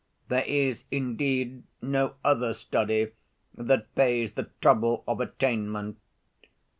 There is indeed no other study that pays the trouble of attainment.